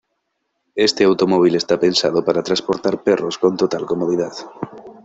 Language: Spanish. Este automóvil está pensado para transportar perros con total comodidad.